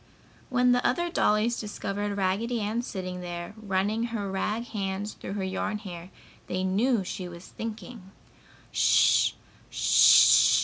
When the other dollies discovered Raggedy Ann sitting there, running her rag hands through her yarn hair, they knew she was thinking.